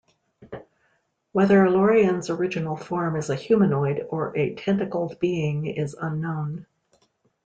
Whether Lorien's original form is a humanoid or a tentacled being is unknown.